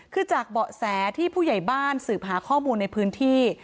คือจากเบาะแสที่ผู้ใหญ่บ้านสืบหาข้อมูลในพื้นที่